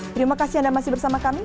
terima kasih anda masih bersama kami